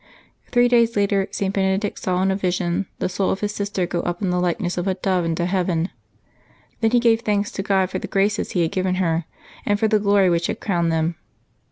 Three days later St. Benedict saw in a vision the soul of his sister going up in the likeness of a dove into heaven. Then he gave thanks to God for the graces He had given her, and for the glory which had crowned them.